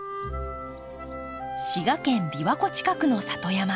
滋賀県琵琶湖の近くの里山。